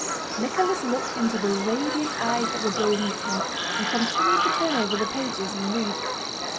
Nicholas looked into the radiant eyes that were gazing at him, and continued to turn over the pages and read.